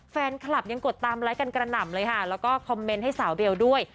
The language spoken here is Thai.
แฟนคลับยังกดตามไลค์กันกระหน่ำเลยค่ะแล้วก็คอมเมนต์ให้สาวเบลด้วย